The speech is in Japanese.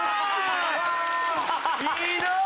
ひどい！